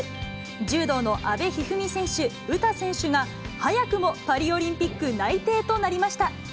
柔道の阿部一二三選手、詩選手が、早くもパリオリンピック内定となりました。